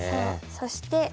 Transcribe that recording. そして